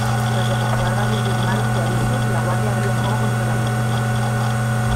Tras efectuar varios disparos de aviso, la guardia abrió fuego contra la multitud.